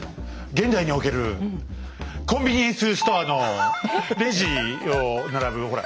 現代におけるコンビニエンスストアのレジを並ぶほら